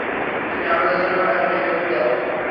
তুমি আমাদের জন্য একটা টেবিল দেখো।